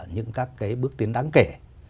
những các bước tiến đáng kể